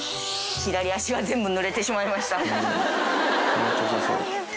左足は全部ぬれてしまいました。